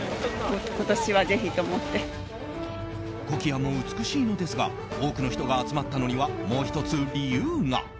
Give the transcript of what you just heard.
コキアも美しいのですが多くの人が集まったのにはもう１つ理由が。